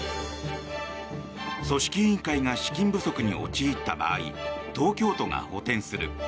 組織委員会が資金不足に陥った場合東京都が補てんする。